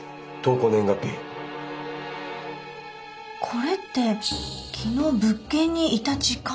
これって昨日物件にいた時間。